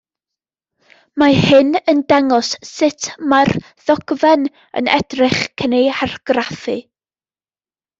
Mae hyn yn dangos sut mae'r ddogfen yn edrych cyn ei hargraffu.